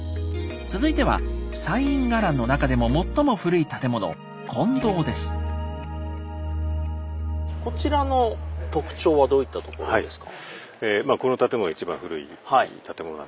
続いては西院伽藍の中でも最も古い建物こちらの特徴はどういったところですか？